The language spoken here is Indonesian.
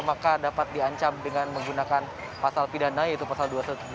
maka dapat diancam dengan menggunakan pasal pidana yaitu pasal dua ratus dua belas